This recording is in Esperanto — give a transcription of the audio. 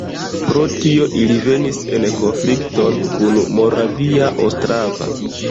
Pro tio ili venis en konflikton kun Moravia Ostrava.